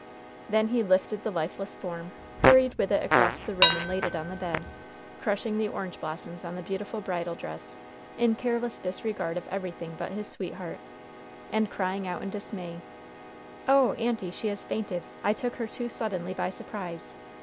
Then he lifted the lifeless form, hurried with it across the room and laid it on the bed, crushing the orange blossoms on the beautiful bridal dress, in careless disregard of everything but his sweetheart, and crying out in dismay: "Oh, auntie! she has fainted! I took her too suddenly by surprise!